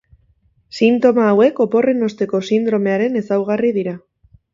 Sintoma hauek oporren osteko sindromearen ezaugarri dira.